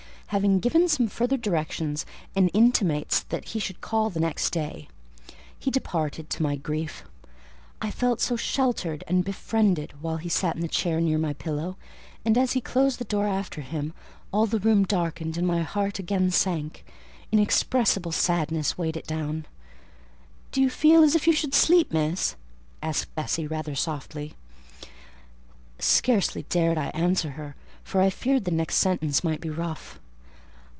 Having given some further directions, and intimated that he should call again the next day, he departed; to my grief: I felt so sheltered and befriended while he sat in the chair near my pillow; and as he closed the door after him, all the room darkened and my heart again sank: inexpressible sadness weighed it down. "Do you feel as if you should sleep, Miss?" asked Bessie, rather softly. Scarcely dared I answer her; for I feared the next sentence might be rough.